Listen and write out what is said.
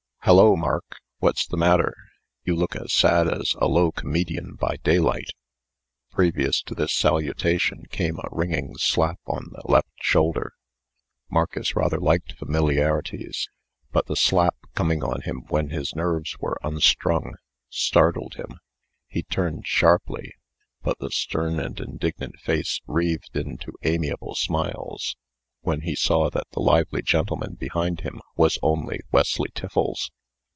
"Hallo, Mark! What's the matter? You look as sad as a low comedian by daylight!" Previous to this salutation came a ringing slap on the left shoulder. Marcus rather liked familiarities; but the slap, coming on him when his nerves were unstrung, startled him. He turned sharply; but the stern and indignant face wreathed into amiable smiles, when he saw that the lively gentleman behind him was only Wesley Tiffles.